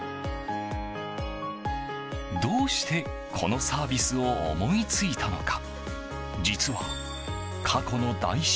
どうしてこのサービスを思いついたのか。